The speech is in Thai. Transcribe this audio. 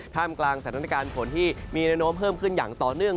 ทำกลางสรรคการผลที่มีอนิโนมเพิ่มขึ้นอย่างต่อเนื่อง